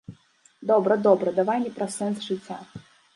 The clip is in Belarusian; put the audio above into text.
Добра, добра, давай не пра сэнс жыцця.